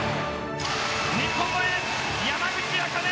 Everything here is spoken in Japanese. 日本のエース、山口茜！